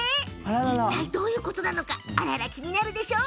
いったいどういうことなのか気になるでしょう？